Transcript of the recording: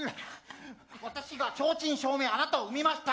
私が正真正銘あなたを産みました。